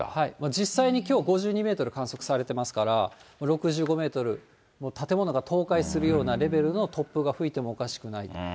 実際にきょう、５２メートル観測されてますから、６５メートル、建物が倒壊するようなレベルの突風が吹いてもおかしくないと。